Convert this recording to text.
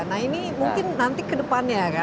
nah ini mungkin nanti kedepannya ya